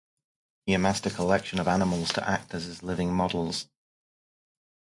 He amassed a collection of animals to act as his living models.